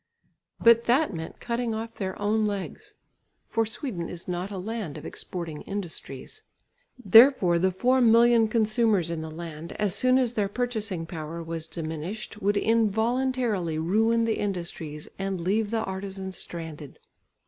But that meant cutting off their own legs, for Sweden is not a land of exporting industries. Therefore the four million consumers in the land, as soon as their purchasing power was diminished, would involuntarily ruin the industries and leave the artisans stranded.